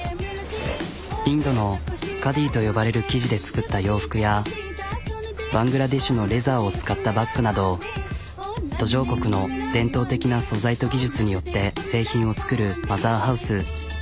インドのカディと呼ばれる生地で作った洋服やバングラデシュのレザーを使ったバッグなど途上国の伝統的な素材と技術によって製品を作るマザーハウス。